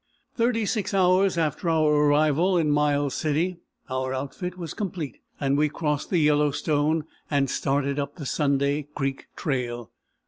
Thirty six hours after our arrival in Miles City our outfit was complete, and we crossed the Yellowstone and started up the Sunday Creek trail.